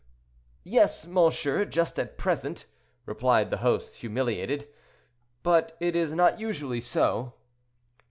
"Yes, monsieur; just at present," replied the host, humiliated; "but it is not usually so."